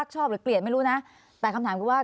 ชอบหรือเกลียดไม่รู้นะแต่คำถามคือว่า